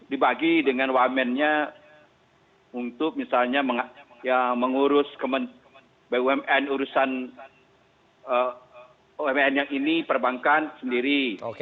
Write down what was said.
dibagi dengan one man nya untuk misalnya mengurus bumn urusan oemn yang ini perbankan sendiri